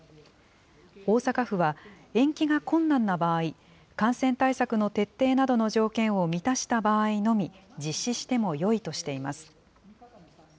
大阪府は、延期が困難な場合、感染対策の徹底などの条件を満たした場合のみ実施してもよいとしています。